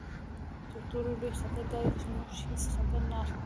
تر ټولو لوی خطر دا دی چې موږ هیڅ خطر نه اخلو.